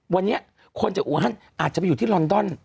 วันนี้คนจากอูฮันอาจจะไปอยู่ที่ลอนดอน